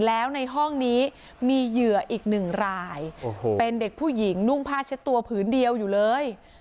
แล้วในห้องนี้มีเหยื่ออีกหนึ่งรายโอ้โหเป็นเด็กผู้หญิงนุ่งผ้าเช็ดตัวผืนเดียวอยู่เลย